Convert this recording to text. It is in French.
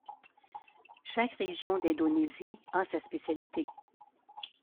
Chaque région d'Indonésie a sa spécialité.